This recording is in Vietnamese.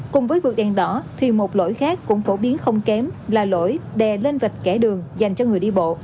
cùng với vượt đèn đỏ thì một lỗi khác cũng phổ biến không kém là lỗi đè lên vạch kẻ đường dành cho người đi bộ